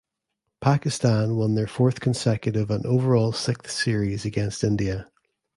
Pakistan won their fourth consecutive and overall sixth series against India.